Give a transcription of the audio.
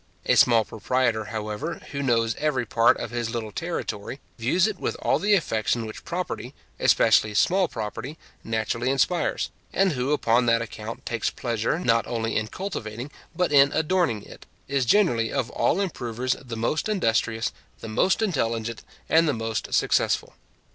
A small proprietor, however, who knows every part of his little territory, views it with all the affection which property, especially small property, naturally inspires, and who upon that account takes pleasure, not only in cultivating, but in adorning it, is generally of all improvers the most industrious, the most intelligent, and the most successful.